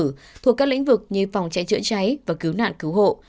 đăng ký các thủ tục điện tử thuộc các lĩnh vực như phòng chạy chữa cháy và cứu nạn cứu hộ